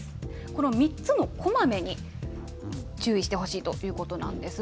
この３つのこまめに、注意してほしいということなんです。